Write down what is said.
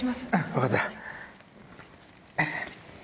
分かった。